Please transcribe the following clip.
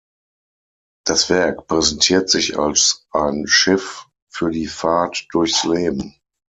Das Werk präsentiert sich als ein „Schiff“ für die Fahrt durchs Leben.